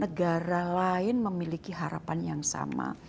negara lain memiliki harapan yang sama